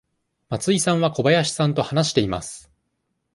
松井さんは小林さんと話しています。